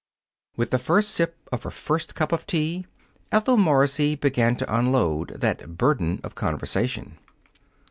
With the first sip of her first cup of tea, Ethel Morrissey began to unload that burden of conversation.